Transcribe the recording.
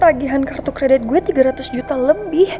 tagihan kartu kredit gue tiga ratus juta lebih